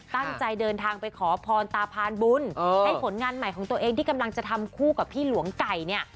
ตั้งใจเดินทางไปขอพรตาพานบุญให้ผลงานใหม่ของตัวเองที่กำลังจะทำคู่กับพี่หลวงไก่เนี่ย